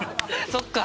そっか！